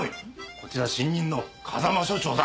こちら新任の風間署長だ。